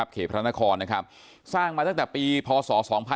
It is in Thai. เขตพระนครสร้างมาตั้งแต่ปีพศ๒๓๒๗